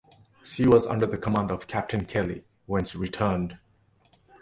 She was under the command of Captain Kelly when she returned.